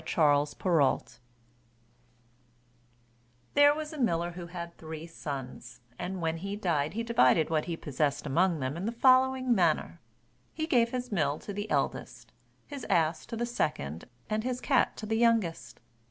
CHAPTER XV PUSS IN BOOTS There was a miller who had three sons, and when he died he divided what he possessed among them in the following manner: He gave his mill to the eldest, his ass to the second, and his cat to the youngest.